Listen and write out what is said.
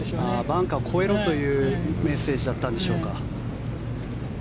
バンカーを越えろというメッセージだったんでしょうか。